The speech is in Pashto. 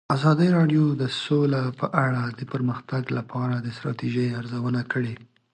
ازادي راډیو د سوله په اړه د پرمختګ لپاره د ستراتیژۍ ارزونه کړې.